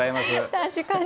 確かに。